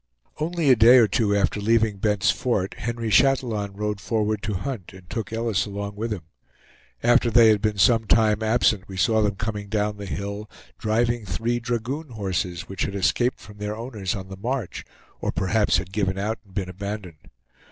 Only a day or two after leaving Bent's Fort Henry Chatillon rode forward to hunt, and took Ellis along with him. After they had been some time absent we saw them coming down the hill, driving three dragoon horses, which had escaped from their owners on the march, or perhaps had given out and been abandoned.